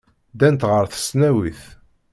Ddant ɣer tesnawit.